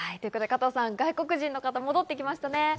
加藤さん、外国人の方が戻ってきましたね。